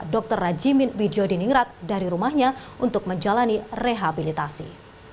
dr rajimin widjodiningrat dari rumahnya untuk menjalani rehabilitasi